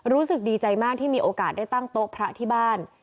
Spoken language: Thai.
รู้สึกดีใจมากที่มีโอกาสได้ตั้งโต๊ะพระที่บ้าน